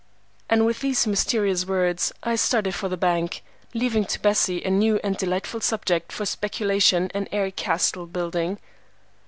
And with these mysterious words, I started for the bank, leaving to Bessie a new and delightful subject for speculation and air castle building.